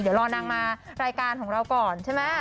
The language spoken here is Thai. เดี๋ยวรอนางมารายการของเราก่อนใช่ไหม